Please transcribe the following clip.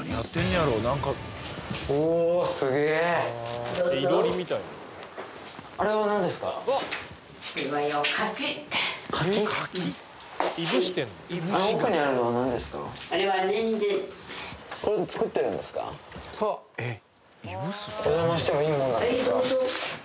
どうぞお邪魔してもいいもんなんですか？